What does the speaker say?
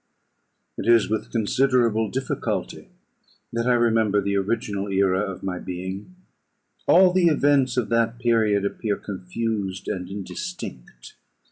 "It is with considerable difficulty that I remember the original era of my being: all the events of that period appear confused and indistinct.